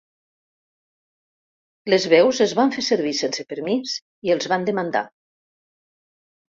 Les veus es van fer servir sense permís i els van demandar.